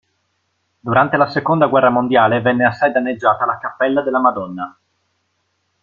Durante la Seconda Guerra Mondiale venne assai danneggiata la Cappella della Madonna.